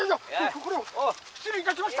これは失礼いたしました」。